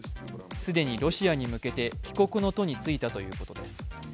既にロシアに向けて帰国の途についたということです。